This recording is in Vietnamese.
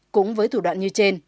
cũng với thủ đoạn như trên